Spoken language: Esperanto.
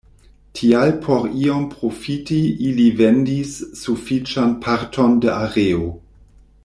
Tial por iom profiti ili vendis sufiĉan parton de areo.